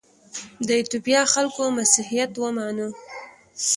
د ایتوپیا خلکو مسیحیت ومانه.